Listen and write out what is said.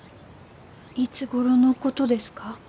いつごろのことですか？